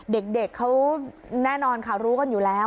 เด็กเขาแน่นอนค่ะรู้กันอยู่แล้ว